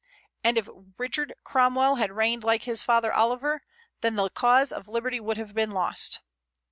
And if Richard Cromwell had reigned like his father Oliver, then the cause of liberty would have been lost.